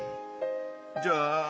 じゃあ。